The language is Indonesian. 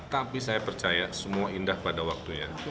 tapi saya percaya semua indah pada waktunya